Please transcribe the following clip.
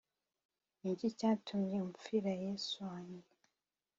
Niki cyatumye umpfira yesu wanjye